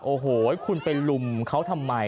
โอ้โหคุณไปลุมเขาทำไม